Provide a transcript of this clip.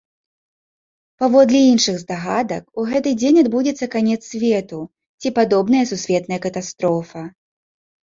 Паводле іншых здагадак, у гэты дзень адбудзецца канец свету ці падобная сусветная катастрофа.